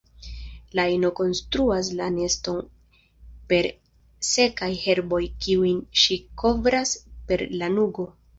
La ino konstruas la neston per sekaj herboj kiujn ŝi kovras per lanugo.